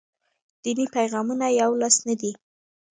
دیني پیغامونه یولاس نه دي.